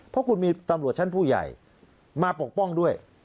เพราะคุณมีตำรวจชั้นผู้ใหญ่มาปกป้องด้วย